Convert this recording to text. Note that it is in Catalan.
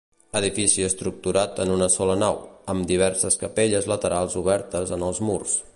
Edifici estructurat en una sola nau, amb diverses capelles laterals obertes en els murs.